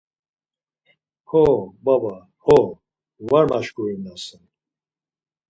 Ho baba ho, var maşkurinasen.